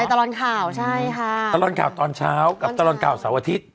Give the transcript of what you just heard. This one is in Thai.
ตลอดข่าวใช่ค่ะตลอดข่าวตอนเช้ากับตลอดข่าวเสาร์อาทิตย์